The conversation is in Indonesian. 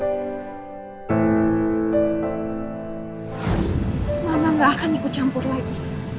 mama gak akan ikut campur lagi